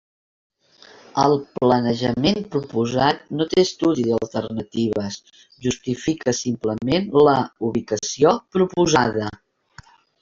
El planejament proposat no té estudi d'alternatives, justifica simplement la ubicació proposada.